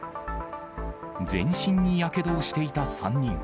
全身にやけどをしていた３人。